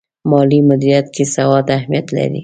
مالي مدیریت کې سواد اهمیت لري.